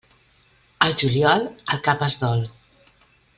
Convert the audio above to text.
Al juliol, el cap es dol.